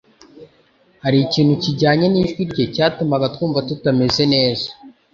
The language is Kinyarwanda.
Hariho ikintu kijyanye nijwi rye cyatumaga twumva tutamerewe neza.